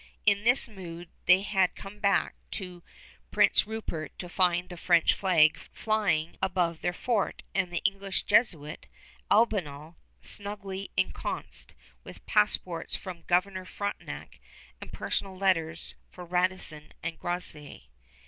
In this mood they had come back to Prince Rupert to find the French flag flying above their fort and the English Jesuit, Albanel, snugly ensconced, with passports from Governor Frontenac and personal letters for Radisson and Groseillers.